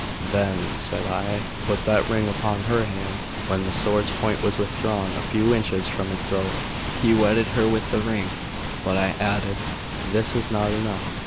"Then," said I, "put that ring upon her hand." When the sword's point was withdrawn a few inches from his throat, he wedded her with the ring. But I added: "This is not enough.